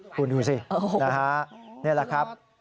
คุณดูสินี่แหละครับ